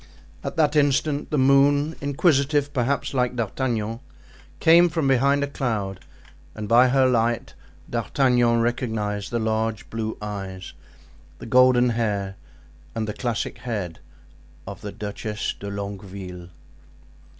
At that instant, the moon, inquisitive, perhaps, like D'Artagnan, came from behind a cloud and by her light D'Artagnan recognized the large blue eyes, the golden hair and the classic head of the Duchess de Longueville.